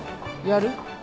やる？